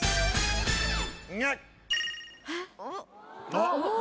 あっ。